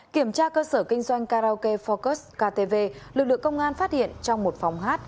kiểm tra cơ sở kinh doanh karaoke focus ktv lực lượng công an phát hiện trong một phòng hát